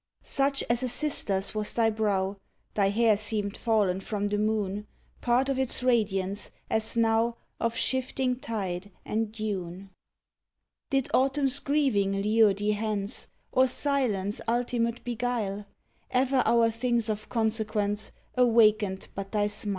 Such as a sister's was thy brow; Thy hair seemed fallen from the moon Part of its radiance, as now Of shifting tide and dune. Did Autumn's grieving lure thee hence, Or silence ultimate beguile"? Ever our things of consequence Awakened but thy smile.